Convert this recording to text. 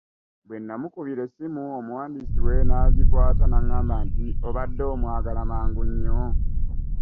Bwe namukubira essimu Omuwandiisi we ng’agikwata ng’angamba nti “Obadde omwagala mangu nnyo?